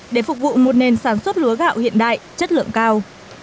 để phục vụ một nền sản xuất lúa gạo hiện đại chất lượng cao